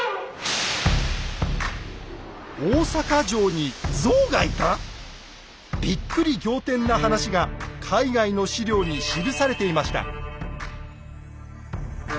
大坂城にゾウがいた⁉びっくり仰天な話が海外の史料に記されていました。